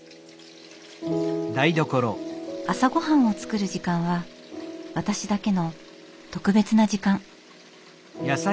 朝ごはんを作る時間は私だけの特別な時間。